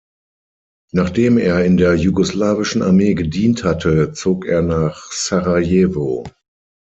Nachdem er in der Jugoslawischen Armee gedient hatte, zog er nach Sarajevo.